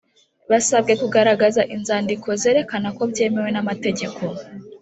basabwa kugaragaza inzandiko zerekana ko byemewe nama tegeko